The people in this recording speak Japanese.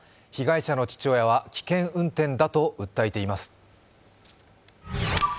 被害者の父親は危険運転だと訴えています。